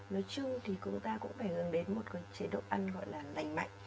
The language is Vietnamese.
nói chung thì chúng ta cũng phải hướng đến một chế độ ăn gọi là lành mạnh